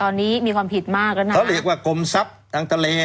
ตอนนี้มีความผิดมากแล้วนะเขาเรียกว่ากรมทรัพย์ทางทะเล